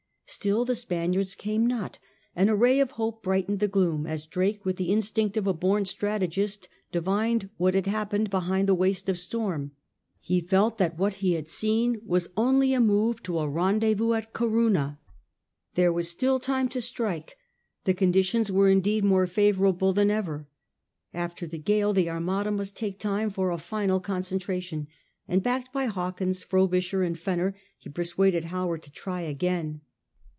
Still the Spaniards came not ; and a ray of hope brightened the gloom as Drake, with the instinct of a bom strategist, divined what had happened behind the waste of storm. He felt that what had been seen was only a move to a rendezvous at Corunna. There was still time to strike. The conditions were indeed more favourable than ever. After the gale the Armada must take time for a final concentration, and backed by Hawkins, Frobisher, and Fenner, he persuaded Howard to try again.